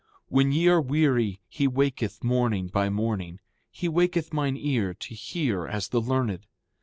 When ye are weary he waketh morning by morning. He waketh mine ear to hear as the learned.